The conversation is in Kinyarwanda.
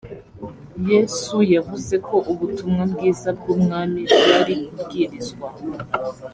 yesu yavuze ko ubutumwa bwiza bw’ubwami bwari kubwirizwa